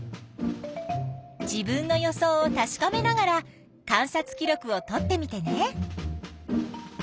自分の予想をたしかめながら観察記録をとってみてね！